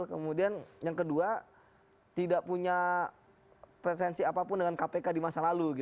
kemudian yang kedua tidak punya presensi apapun dengan kpk di masa lalu